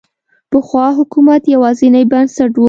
پخوا حکومت یوازینی بنسټ و.